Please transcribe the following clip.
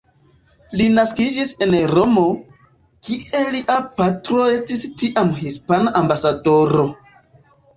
Li naskiĝis en Romo, kie lia patro estis tiam hispana ambasadoro.